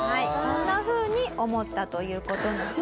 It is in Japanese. こんなふうに思ったという事なんですね。